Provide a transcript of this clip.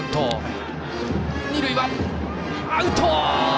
二塁アウト！